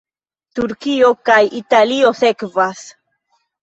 Turkio kaj Italio sekvas.